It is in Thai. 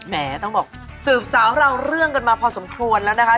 ต้องบอกสืบสาวเราเรื่องกันมาพอสมควรแล้วนะคะ